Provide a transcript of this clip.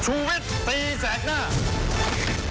ชูวิทย์ตีแสกหน้า